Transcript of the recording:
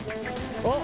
あっ！